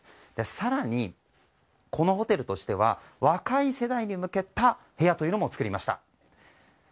更に、このホテルとしては若い世代へ向けた部屋というのも作りました。